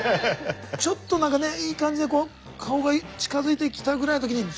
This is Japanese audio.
ちょっと何かねいい感じでこう顔が近づいてきたぐらいの時に「Ｚ」！